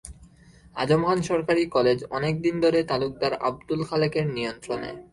আযম খান সরকারি কলেজ অনেক দিন ধরে তালুকদার আবদুল খালেকের নিয়ন্ত্রণে।